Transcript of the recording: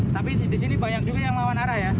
tapi disini banyak juga yang lawan arah ya